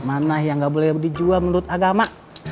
mana yang nggak boleh dijual menurut agama